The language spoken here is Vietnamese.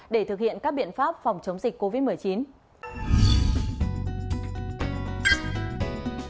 để thực hiện các biện pháp phòng chống dịch covid một mươi chín